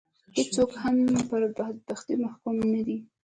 هېڅوک هم پر بدبختي محکوم نه دي.